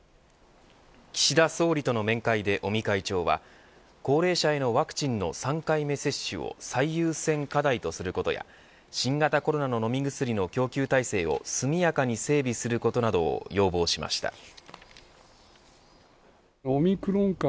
岸田総理との面会で尾身会長は高齢者へのワクチンの３回目接種を最優先課題とすることや新型コロナの飲み薬の供給体制を速やかに整備することなどを要望しました。